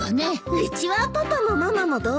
うちはパパもママも動物好きだし。